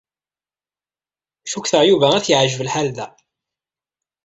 Cukkteɣ Yuba ad t-yeɛjeb lḥal da.